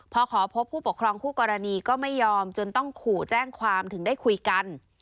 พอขอพบผู้ปกครองคู่กรณีก็ไม่ยอมจนต้องขู่แจ้งความถึงได้คุยกัน